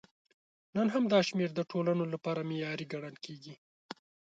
نن هم دا شمېر د ټولنو لپاره معیاري ګڼل کېږي.